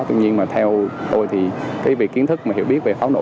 tuy nhiên mà theo tôi thì cái việc kiến thức mà hiểu biết về pháo nổ